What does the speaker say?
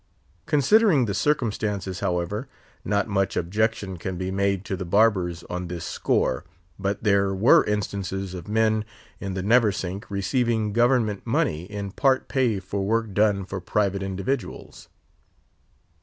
Considering the circumstances, however, not much objection can be made to the barbers on this score. But there were instances of men in the Neversink receiving government money in part pay for work done for private individuals.